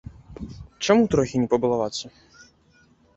Чаму трохі не пабалавацца?